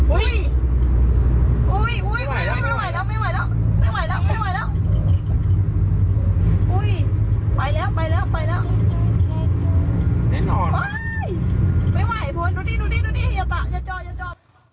อุ๊ยไม่ไหวบนดูนี่ดูนี่หยัดปะอย่าจออย่าจอ